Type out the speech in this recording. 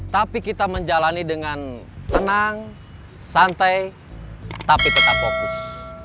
tapi kita menjalani dengan tenang santai tapi tetap fokus